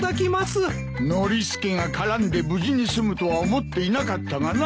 ノリスケが絡んで無事に済むとは思っていなかったがな。